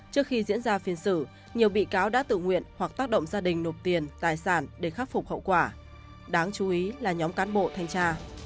trước khi diễn ra phiên xử nhiều bị cáo đã tự nguyện hoặc tác động gia đình nộp tiền tài sản để khắc phục hậu quả đáng chú ý là nhóm cán bộ thanh tra